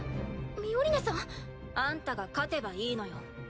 ミオリネさん？あんたが勝てばいいのよ。